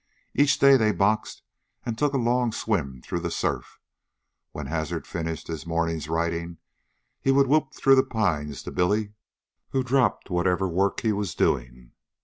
Each day they boxed and took a long swim through the surf. When Hazard finished his morning's writing, he would whoop through the pines to Billy, who dropped whatever work he was doing.